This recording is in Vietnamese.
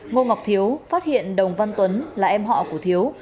ngô ngọc thiếu phát hiện đồng văn tuấn là em họ của thiếu